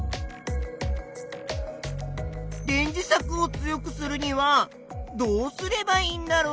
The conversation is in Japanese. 電磁石を強くするにはどうすればいいんだろう？